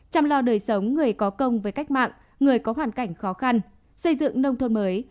chăm lo đời sống người có công với cách mạng người có hoàn cảnh khó khăn xây dựng nông thôn mới